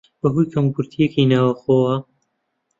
بەهۆی کەموکورتییەکی ناوخۆوە